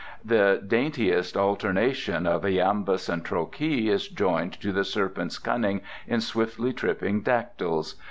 The daintiest alternation of iambus and trochee is joined to the serpent's cunning in swiftly tripping dactyls.